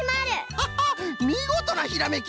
ハハッみごとなひらめき。